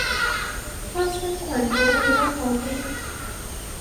開新群組氣氛好啲